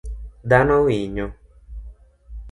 Dhano winyo